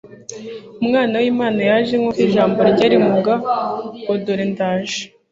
Umwana w'Imana yaje nk'uko Ijambo rye riMuga ngo: "Dore ndaje...